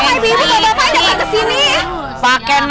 pak anto pak ibu pak bapak jangan sampai kesini